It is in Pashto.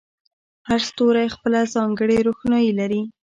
هر ستوری خپله ځانګړې روښنایي لري.